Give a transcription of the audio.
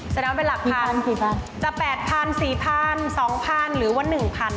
แสดงว่าเป็นหลักพันจะ๘๐๐๐บาท๔๐๐๐บาท๒๐๐๐บาทหรือว่า๑๐๐๐บาท